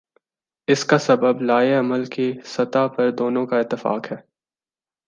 اس کا سبب لائحہ عمل کی سطح پر دونوں کا اتفاق ہے۔